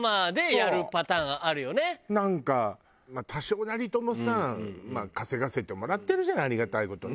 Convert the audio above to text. なんかまあ多少なりともさ稼がせてもらってるじゃないありがたい事に。